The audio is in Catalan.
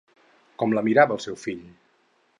Com la mirava el seu fill?